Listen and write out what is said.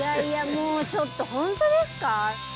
もうちょっとホントですか？